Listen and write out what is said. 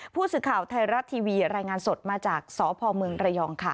ผู้สื่อข่าวไทยรัฐทีวีรายงานสดมาจากสพเมืองระยองค่ะ